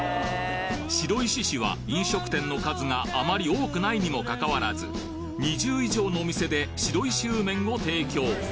白石市は飲食店の数があまり多くないにもかかわらず２０以上のお店で白石温麺を提供